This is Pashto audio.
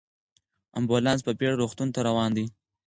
امبولانس په بیړه روغتون ته روان دی.